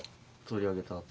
取り上げたの。